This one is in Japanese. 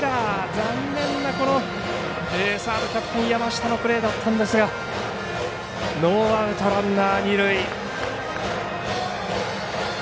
残念な、サードキャプテン山下のプレーだったんですがノーアウト、ランナー二塁。